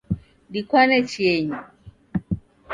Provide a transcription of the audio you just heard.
Dikwane chienyi